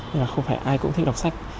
nhưng mà không phải ai cũng thích đọc sách